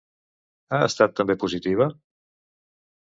Ha estat també positiva?